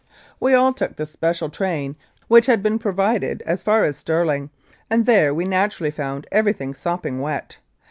We all took the special train which had been provided as far as Stirling, and there we naturally found everything sopping wet.